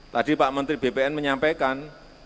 tadi pak menteri bpn menyampaikan